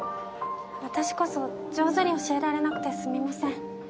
私こそ上手に教えられなくてすみません。